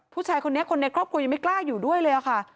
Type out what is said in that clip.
ผู้ชายคนนี้คนในครอบครัวยังไม่กล้าอยู่ด้วยเลยค่ะ